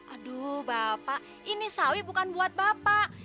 aduh bapak ini sawi bukan buat bapak